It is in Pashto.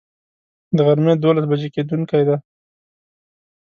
د غرمي دولس بجي کیدونکی دی